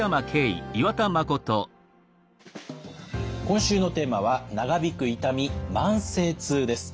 今週のテーマは「長引く痛み慢性痛」です。